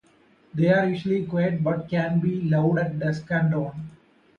They are usually quiet but can be loud at dusk and dawn.